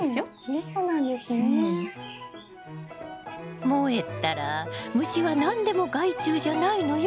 いい子なんですね。もえったら虫は何でも害虫じゃないのよ。